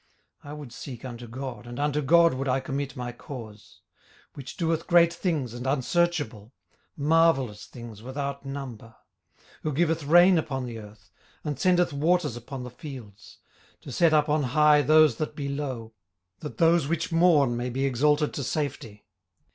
18:005:008 I would seek unto God, and unto God would I commit my cause: 18:005:009 Which doeth great things and unsearchable; marvellous things without number: 18:005:010 Who giveth rain upon the earth, and sendeth waters upon the fields: 18:005:011 To set up on high those that be low; that those which mourn may be exalted to safety.